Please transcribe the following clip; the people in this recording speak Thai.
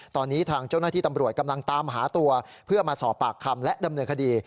ตอนนี้ทางเจ้าหน้าที่ตำรวจกำลังตามหาตัวเพื่อมาสอบปากคำและดำเนินคดี